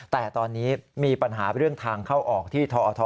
แต่ตอนนี้มีปัญหาเรื่องทางเข้าออกที่ทอท